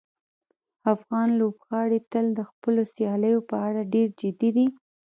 افغان لوبغاړي تل د خپلو سیالیو په اړه ډېر جدي دي.